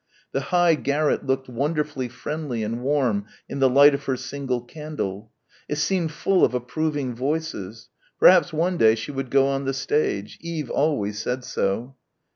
The high garret looked wonderfully friendly and warm in the light of her single candle. It seemed full of approving voices. Perhaps one day she would go on the stage. Eve always said so.